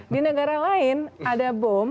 di negara lain ada bom